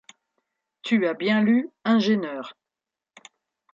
Tu as bien lu « ingêneur ».